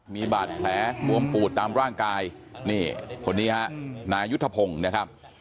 มีบาดแผลบวมปูดตามร่างกายนี่คนนี้ฮะนายุทธพงศ์นะครับ